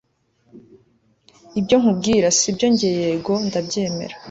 ibyo nkubwira sibyoNjye yego ndabyemera